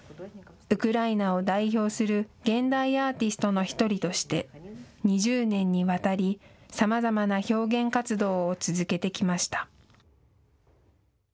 ウクライナを代表する現代アーティストの１人として２０年にわたり、さまざまな表現活動を続けてきました。